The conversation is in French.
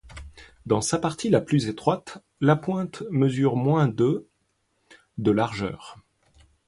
Dans sa partie la plus étroite, la pointe mesure moins de de largeur.